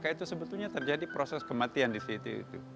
itu sebetulnya terjadi proses kematian disitu